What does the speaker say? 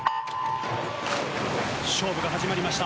勝負が始まりました。